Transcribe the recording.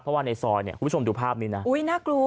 เพราะว่าในซอยคุณผู้ชมดูภาพนี้นะ